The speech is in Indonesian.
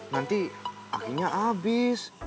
nanti akinya abis